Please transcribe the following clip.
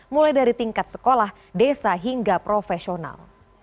mulai dari tingkat sekolah desa hingga profesional